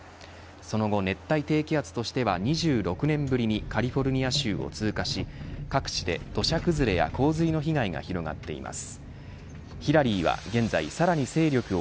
その後、熱帯低気圧としては２６年ぶりにカリフォルニア州を通過し各地で土砂崩れや洪水の被害が広がっています。